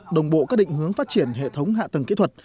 đồng bộ các định hướng phát triển hệ thống hạ tầng kỹ thuật